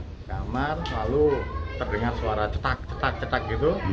di kamar lalu terdengar suara cetak